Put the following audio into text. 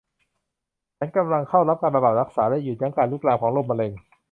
ฉันกำลังเข้ารับการบำบัดรักษาและหยุดยั้งการลุกลามของโรคมะเร็ง